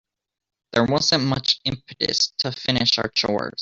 There wasn't much impetus to finish our chores.